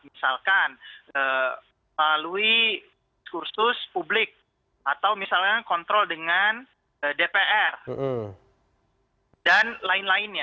misalkan melalui diskursus publik atau misalnya kontrol dengan dpr dan lain lainnya